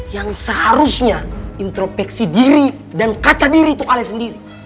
yang seharusnya interpeksi diri dan kacau diri tuh kalian sendiri